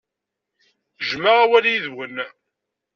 Jjmeɣ awal yid-wen.